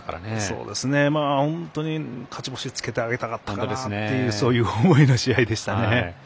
本当に、勝ち星をつけてあげたかったなというそういう思いの試合でしたね。